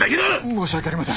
申し訳ありません。